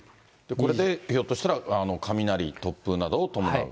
これでひょっとしたら雷、突風などを伴う？